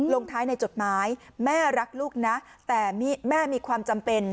ลงท้ายในจดหมายแม่รักลูกนะแต่แม่มีความจำเป็น